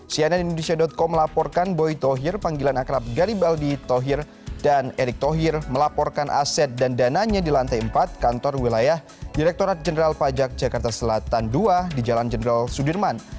cnn indonesia com melaporkan boy tohir panggilan akrab garibaldi thohir dan erick thohir melaporkan aset dan dananya di lantai empat kantor wilayah direkturat jenderal pajak jakarta selatan ii di jalan jenderal sudirman